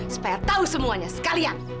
supaya tahu semuanya sekalian